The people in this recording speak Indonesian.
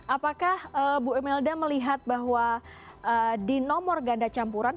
apakah bu imelda melihat bahwa di nomor ganda campuran